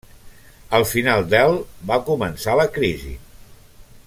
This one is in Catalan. A final del va començar la crisi.